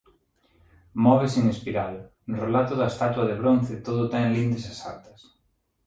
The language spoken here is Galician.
Móvese en espiral No relato da estatua de bronce todo ten lindes exactas.